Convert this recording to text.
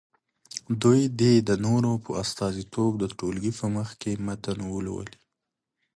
دوی دې د نورو په استازیتوب د ټولګي په مخکې متن ولولي.